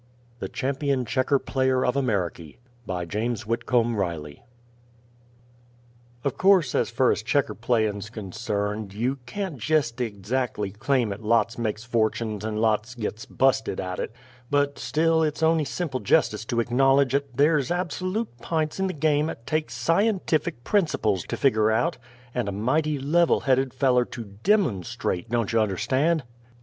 THE CHAMPION CHECKER PLAYER OF AMERIKY BY JAMES WHITCOMB RILEY Of course as fur as Checker playin's concerned, you can't jest adzackly claim 'at lots makes fortunes and lots gits bu'sted at it but still, it's on'y simple jestice to acknowledge 'at there're absolute p'ints in the game 'at takes scientific principles to figger out, and a mighty level headed feller to _dim_onstrate, don't you understand!